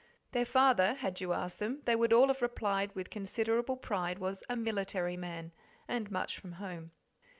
Their father, had you asked them they would all have replied with considerable pride, was "a military man," and much from home.